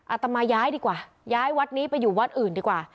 อาตมาย้ายดีกว่าย้ายวัดนี้ไปอยู่วัดอื่นดีกว่า